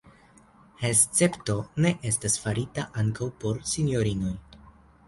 Escepto ne estis farita ankaŭ por sinjorinoj.